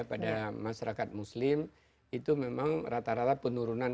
pada masyarakat muslim itu memang rata rata penurunan